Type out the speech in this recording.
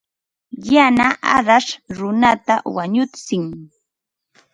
Yana arash runata wañutsin.